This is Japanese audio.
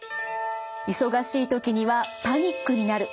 忙しい時にはパニックになる。